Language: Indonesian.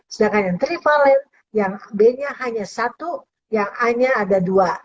sedangkan yang trivalen yang b nya hanya satu yang a nya ada dua